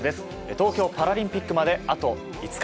東京パラリンピックまであと５日。